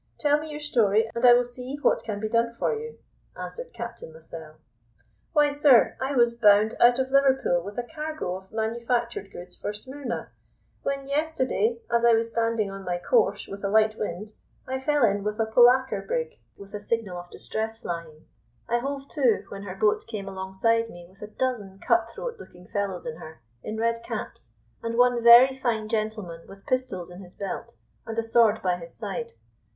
Tell me your story, and I will see what can be done for you," answered Captain Lascelles. "Why, sir, I was bound out of Liverpool with a cargo of manufactured goods for Smyrna, when yesterday, as I was standing on my course with a light wind, I fell in with a polacre brig with a signal of distress flying. I hove to, when her boat came alongside me with a dozen cut throat looking fellows in her, in red caps, and one very fine gentleman with pistols in his belt, and a sword by his side.